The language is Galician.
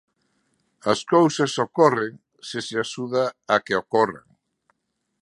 As cousas ocorren se se axuda a que ocorran.